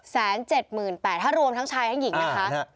แสนเจ็ดหมื่นแปดถ้ารวมทั้งชายทั้งหญิงนะคะ